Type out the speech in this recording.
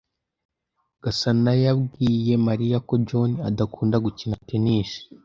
Gasanayabwiye Mariya ko John adakunda gukina tennis.